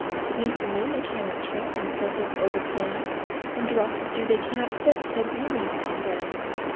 Beneath the moon they cannot trip In circles o'er the plain ; And draughts of dew they cannot sip, Till green leaves come again.